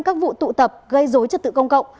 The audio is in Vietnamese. các vụ tụ tập gây dối trật tự công cộng